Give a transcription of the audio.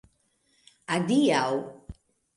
Adiaŭ!